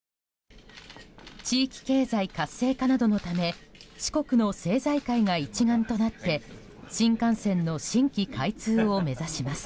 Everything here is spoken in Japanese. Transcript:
地域経済活性化などのため四国の政財界が一丸となって新幹線の新規開通を目指します。